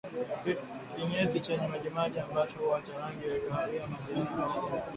Kinyesi chenye majimaji ambacho huwa cha rangi ya kahawia manjano au kijivu